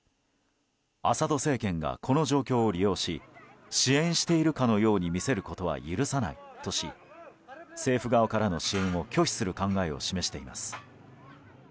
アサド政権が、この状況を利用し支援しているかのように見せることは許さないとし政府側からの支援を拒否する考えを示しています。